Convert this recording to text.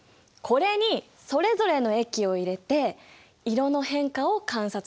これにそれぞれの液を入れて色の変化を観察してみて。